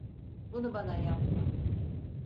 Bunu bana yapma!